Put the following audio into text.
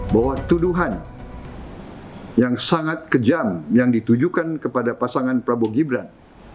bahwa tuduhan yang sangat kejam yang ditujukan kepada pasangan prabowo gibran